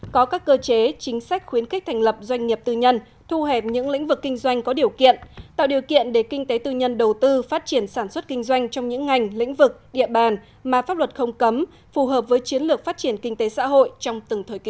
có các cơ chế chính sách khuyến khích thành lập doanh nghiệp tư nhân thu hẹp những lĩnh vực kinh doanh có điều kiện tạo điều kiện để kinh tế tư nhân đầu tư phát triển sản xuất kinh doanh trong những ngành lĩnh vực địa bàn mà pháp luật không cấm phù hợp với chiến lược phát triển kinh tế xã hội trong từng thời kỳ